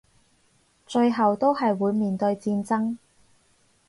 最後都係會面對戰爭